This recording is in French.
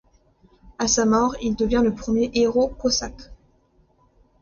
À sa mort il devient le premier héros cosaque.